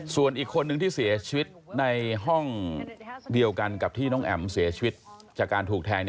ส่วนอีกคนนึงที่เสียชีวิตในห้องเดียวกันกับที่น้องแอ๋มเสียชีวิตจากการถูกแทง